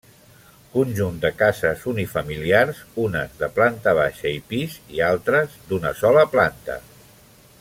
Conjunt de cases unifamiliars, unes de planta baixa i pis i altres, d'una sola planta.